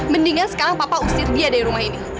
mendingan sekarang papa usir dia dari rumah ini